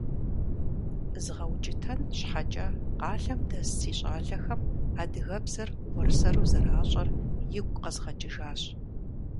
ЗгъэукӀытэн щхьэкӀэ къалэм дэс си щӀалэхэм адыгэбзэр уэрсэру зэращӀэр игу къэзгъэкӀыжащ.